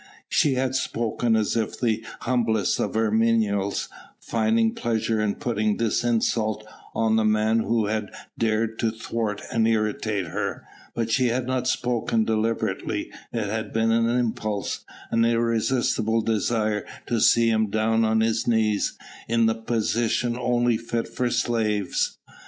She had spoken as if to the humblest of her menials, finding pleasure in putting this insult on the man who had dared to thwart and irritate her; but she had not spoken deliberately; it had been an impulse, an irresistible desire to see him down on his knees, in a position only fit for slaves.